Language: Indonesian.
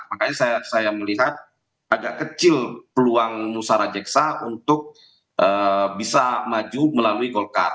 makanya saya melihat agak kecil peluang musara jeksa untuk bisa maju melalui golkar